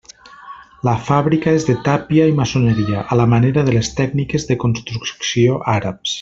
La fàbrica és de tàpia i maçoneria a la manera de les tècniques de construcció àrabs.